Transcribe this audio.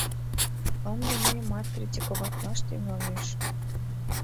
Ынде мыйымат критиковатлаш тӱҥалеш.